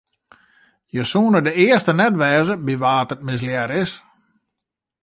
Jo soene de earste net wêze by wa't it mislearre is.